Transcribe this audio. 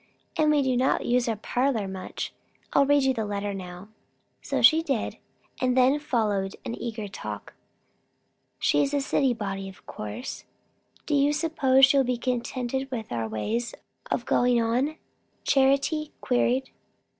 And we do not use our parlour much. I'll read you the letter now." So she did; and then followed an eager talk. "She is a city body, of course. Do you suppose she will be contented with our ways of going on?" Charity queried.